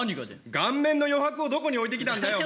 顔面の余白をどこに置いてきたんだよ、お前。